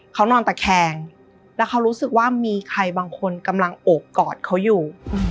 เขานอนตะแคงแล้วเขารู้สึกว่ามีใครบางคนกำลังโอบกอดเขาอยู่